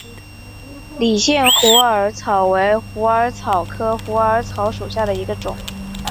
理县虎耳草为虎耳草科虎耳草属下的一个种。